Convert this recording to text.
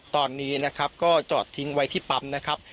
ตอนนี้นะครับก็จอดทิ้งไว้ที่ปั๊มนะครับ